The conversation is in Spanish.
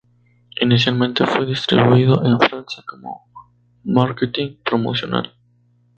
Inicialmente fue distribuido en Francia como marketing promocional.